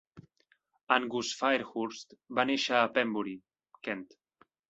Angus Fairhurst va néixer a Pembury (Kent).